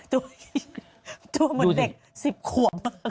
ตัวเหมือนเด็ก๑๐ขวบ